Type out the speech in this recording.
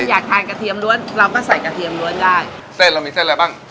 อยากทานกระเทียมล้วนเราก็ใส่กระเทียมล้วนได้เส้นเรามีเส้นอะไรบ้าง